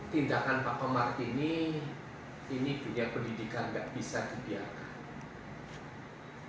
tindakan pak komar ini ini bidang pendidikan yang tidak bisa dibiarkan